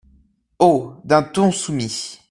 Haut, d’un ton soumis.